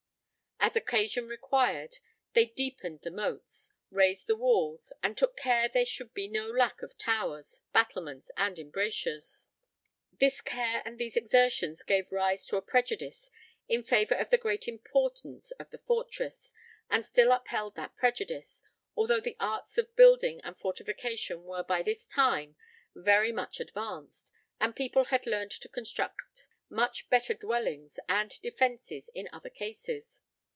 As occasion required, they deepened the moats, raised the walls, and took care there should be no lack of towers, battlements, and embrasures. This care and these exertions gave rise to a prejudice in favour of the great importance of the fortress, and still upheld that prejudice, although the arts of building and fortification were by this time very much advanced, and people had learnt to construct much better dwellings and defences in other cases.